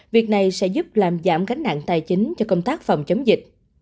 việc này sẽ giúp làm giảm gánh nặng tài chính cho công tác phòng chống dịch